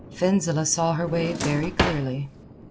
Fenzileh saw her way very clearly.